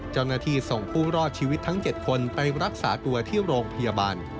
เจ้าหน้าที่ส่งผู้รอดชีวิตทั้ง๗คนไปรักษาตัวที่โรงพยาบาล